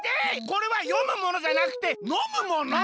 これはよむものじゃなくてのむもの！